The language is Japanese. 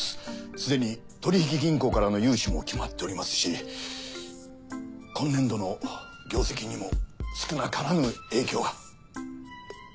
すでに取り引き銀行からの融資も決まっておりますし今年度の業績にも少なからぬ影響が。